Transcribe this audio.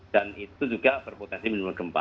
dan itu juga berpotensi menimbul gempa